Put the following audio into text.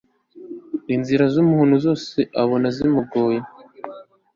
inzira za muntu zose abona zimunogeye